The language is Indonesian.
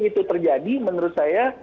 itu terjadi menurut saya